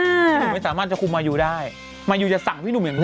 พี่หนุ่มไม่สามารถจะคุมมายูได้มายูจะสั่งพี่หนุ่มอย่างนี้